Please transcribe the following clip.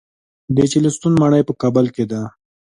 د چهلستون ماڼۍ په کابل کې ده